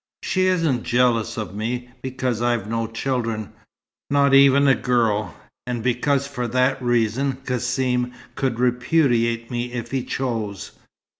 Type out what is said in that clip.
She isn't jealous of me, because I've no children, not even a girl, and because for that reason Cassim could repudiate me if he chose.